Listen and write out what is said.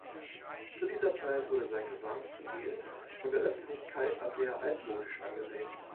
Zu dieser Zeit wurde sein Gesangsstil von der Öffentlichkeit als eher altmodisch angesehen.